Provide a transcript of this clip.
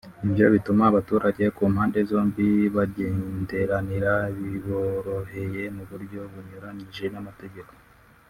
Ibyo bituma abaturage ku mpamde zombi bagenderanira biboroheye mu buryo bunyuranyije n’amategeko